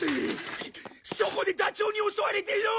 そこでダチョウに襲われてよ！